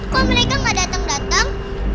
kok mereka gak dateng dateng